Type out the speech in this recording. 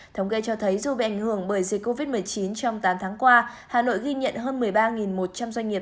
thống kê cho thấy dù bị ảnh hưởng bởi dịch covid một mươi chín trong tám tháng qua hà nội ghi nhận hơn một mươi ba một trăm linh doanh nghiệp